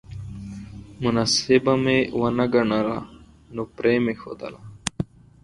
مناسبه مې ونه ګڼله نو پرې مې ښودله